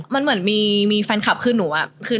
มันเหมือนมีแฟนคลับคือหนูอะ